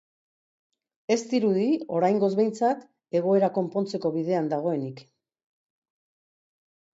Ez dirudi, oraingoz behintzat, egoera konpontzeko bidean dagoenik.